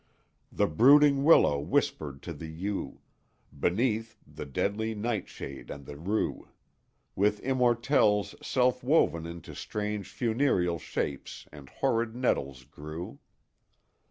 "The brooding willow whispered to the yew; Beneath, the deadly nightshade and the rue, With immortelles self woven into strange Funereal shapes, and horrid nettles grew.